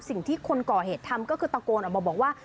สิ่งที่คนก่อเหตุทำก็คือตะโกนออกมาบอกว่า